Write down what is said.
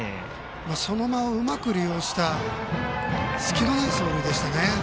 その間をうまく利用した隙のない走塁でしたね。